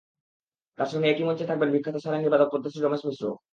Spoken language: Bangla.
তাঁর সঙ্গে একই মঞ্চে থাকবেন বিখ্যাত সারেঙ্গি বাদক পদ্মশ্রী রমেশ মিশ্র।